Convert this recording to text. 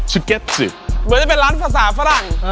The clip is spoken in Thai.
เหมือนจะเป็นร้านภาษาฝรั่ง